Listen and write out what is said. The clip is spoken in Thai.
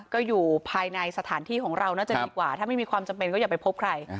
ก็อยู่ภายในสถานที่ของเราน่าจะดีกว่าถ้าไม่มีความจำเป็นก็อย่าไปพบใคร